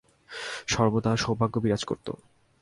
সর্বদা সৌভাগ্য বিরাজ করত।